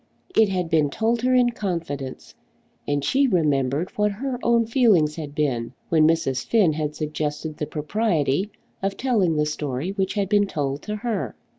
It had been told her in confidence, and she remembered what her own feelings had been when Mrs. Finn had suggested the propriety of telling the story which had been told to her!